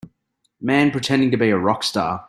Man pretending to be a rock star.